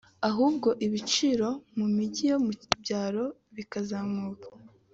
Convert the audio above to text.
ahubwo ibiciro mu mijyi yo mu byaro bikazamuka